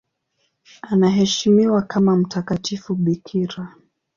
Anaheshimiwa kama mtakatifu bikira.